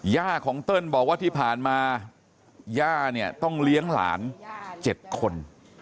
ย่าของเติ้ลบอกว่าที่ผ่านมาย่าเนี่ยต้องเลี้ยงหลาน๗คน